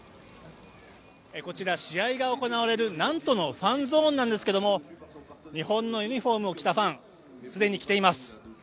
こちら、試合が行われるナントのファンゾーンなんですけれど日本のユニフォームを着たファン、既に来ています。